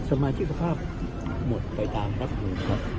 สมาธิกภาพหมดไปตามครับทหารครับ